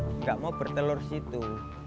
tidak mau bertelur situ